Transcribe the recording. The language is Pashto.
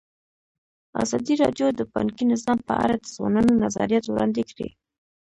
ازادي راډیو د بانکي نظام په اړه د ځوانانو نظریات وړاندې کړي.